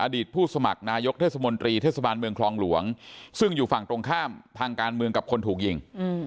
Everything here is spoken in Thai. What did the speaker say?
ผู้สมัครนายกเทศมนตรีเทศบาลเมืองคลองหลวงซึ่งอยู่ฝั่งตรงข้ามทางการเมืองกับคนถูกยิง